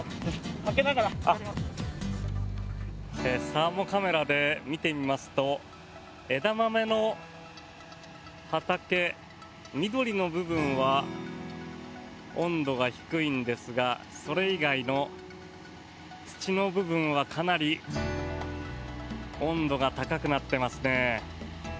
サーモカメラで見てみますとエダマメの畑、緑の部分は温度が低いんですがそれ以外の土の部分はかなり温度が高くなってますね。